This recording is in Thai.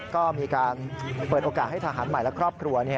ก็มีการเปิดโอกาสให้ทหารใหม่และครอบครัว